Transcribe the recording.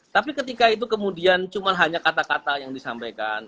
tapi ketika itu kemudian cuma hanya kata kata yang disampaikan